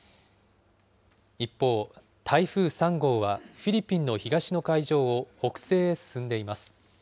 一方、台風３号はフィリピンの東の海上を北西へ進んでいます。